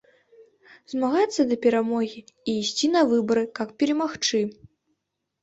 Змагацца да перамогі і ісці на выбары, каб перамагчы.